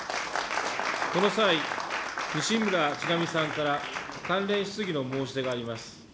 この際、西村智奈美さんから関連質疑の申し出があります。